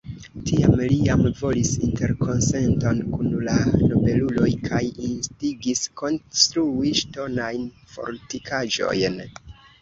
Tiam li jam volis interkonsenton kun la nobeluloj kaj instigis konstrui ŝtonajn fortikaĵojn.